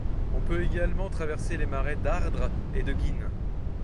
On peut également traverser les marais d'Ardres et de Guînes.